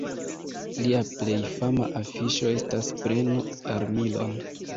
Lia plej fama afiŝo estas "Prenu armilon!".